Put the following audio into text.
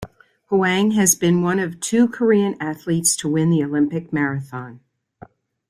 Hwang has been one of two Korean athletes to win the Olympic marathon.